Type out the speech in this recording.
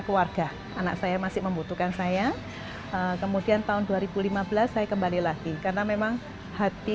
keluarga anak saya masih membutuhkan saya kemudian tahun dua ribu lima belas saya kembali lagi karena memang hati